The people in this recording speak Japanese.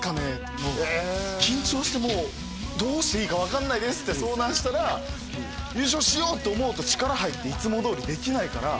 もう緊張してもうどうしていいか分かんないですって相談したら「優勝しようと思うと力入っていつもどおりできないから」